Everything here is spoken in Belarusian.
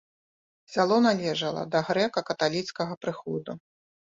Сяло належала да грэка-каталіцкага прыходу.